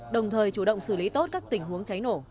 đồng thời chủ động xử lý tốt các tình huống cháy nổ